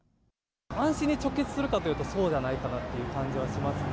安心に直結するかっていうと、そうではないかなっていう感じはしますね。